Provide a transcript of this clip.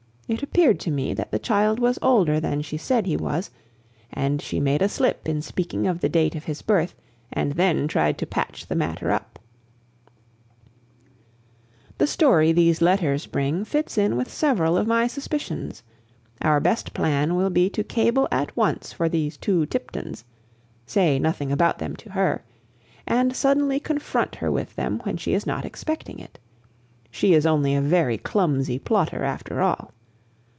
It appeared to me that the child was older than she said he was, and she made a slip in speaking of the date of his birth and then tried to patch the matter up. The story these letters bring fits in with several of my suspicions. Our best plan will be to cable at once for these two Tiptons, say nothing about them to her, and suddenly confront her with them when she is not expecting it. She is only a very clumsy plotter, after all.